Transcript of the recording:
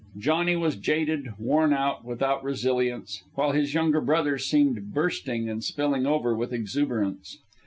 Johnny was jaded, worn out, without resilience, while his younger brother seemed bursting and spilling over with exuberance.